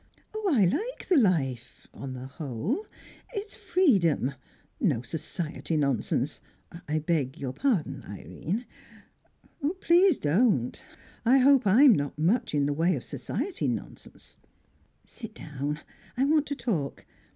"Oh, I like the life; on the whole. It's freedom; no society nonsense I beg your pardon, Irene " "Please don't. I hope I'm not much in the way of society nonsense. Sit down; I want to talk.